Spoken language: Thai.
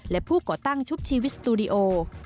และผู้ก่อตั้งชุบชีวิตสตูดิโอ